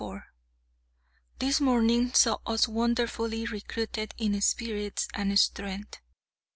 This morning saw us wonderfully recruited in spirits and strength.